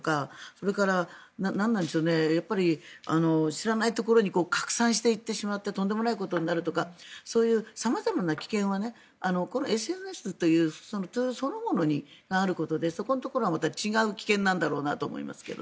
それから、なんなんでしょう知らないところに拡散していってしまってとんでもないことになるとかそういう様々な危険はこのＳＮＳというツールそのものがあることでそこのところはまた違う危険なんだろうと思います。